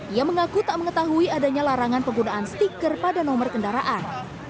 ia mengaku tak mengetahui adanya larangan penggunaan stiker pada nomor kendaraan